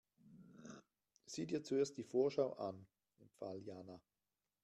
Sieh dir zuerst die Vorschau an, empfahl Jana.